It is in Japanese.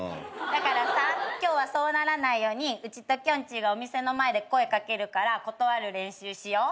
だからさ今日はそうならないようにうちときょんちぃがお店の前で声掛けるから断る練習しよう。